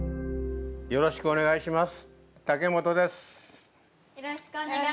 よろしくお願いします。